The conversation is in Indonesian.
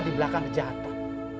di belakang kejahatan